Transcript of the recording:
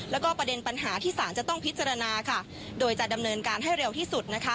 แล้วก็ประเด็นปัญหาที่สารจะต้องพิจารณาค่ะโดยจะดำเนินการให้เร็วที่สุดนะคะ